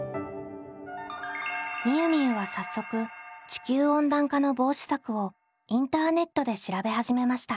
みゆみゆは早速地球温暖化の防止策をインターネットで調べ始めました。